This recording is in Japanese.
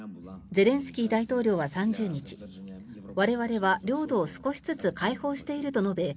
ゼレンスキー大統領は３０日我々は領土を少しずつ解放していると述べ